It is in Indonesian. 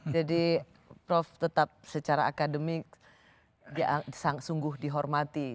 jadi prof tetap secara akademik sungguh dihormati